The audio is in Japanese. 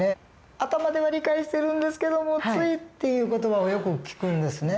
頭では理解してるんですけどもついっていう言葉をよく聞くんですね。